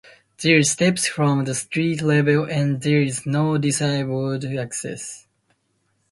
There are steps from the street level and there is no disabled access.